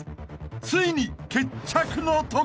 ついに決着の時］